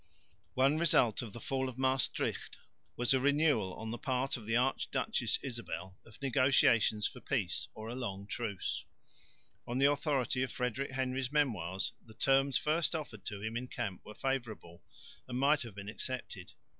One result of the fall of Maestricht was a renewal on the part of the Archduchess Isabel of negotiations for peace or a long truce. On the authority of Frederick Henry's memoirs the terms first offered to him in camp were favourable and might have been accepted.